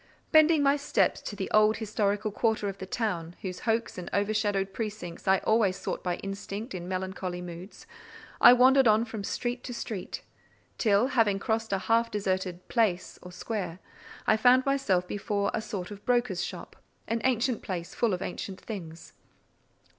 Bending my steps to the old historical quarter of the town, whose hoar and overshadowed precincts I always sought by instinct in melancholy moods, I wandered on from street to street, till, having crossed a half deserted "place" or square, I found myself before a sort of broker's shop; an ancient place, full of ancient things.